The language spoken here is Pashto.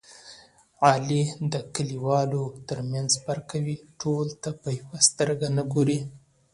علي د کلیوالو ترمنځ فرق کوي. ټولو ته په یوه سترګه نه ګوري.